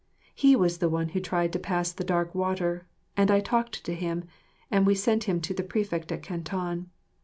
He was the one who tried to pass the Dark Water and I talked to him and we sent him to the prefect at Canton.